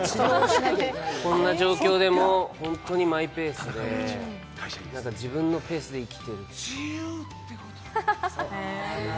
こんな状況でも本当にマイペースで自分のペースで生きてる。